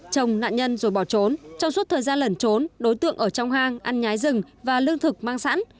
chồng nạn nhân rồi bỏ trốn trong suốt thời gian lẩn trốn đối tượng ở trong hang ăn nhái rừng và lương thực mang sẵn